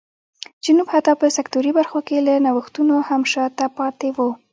جنوب حتی په سکتوري برخو کې له نوښتونو هم شا ته پاتې و.